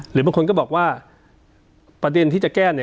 หรือบางคนก็บอกว่าประเด็นที่จะแก้เนี่ย